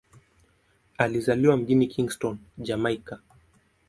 Alizaliwa mjini Kingston, Jamaika.